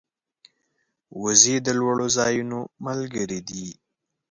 وزې د لوړو ځایونو ملګرې دي